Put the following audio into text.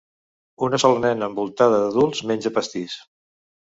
Una sola nena envoltada d'adults menja pastís.